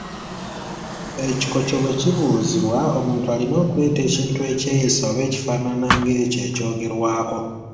Ekikoco bwe kibuuzibwa, omuntu alina okuleeta ekintu ekyeyisa oba ekifaanana ng’ekyo ekyogerwako.